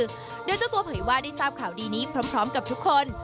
โดยเจ้าตัวเผยว่าได้ทราบข่าวดีนี้พร้อมกับทุกคน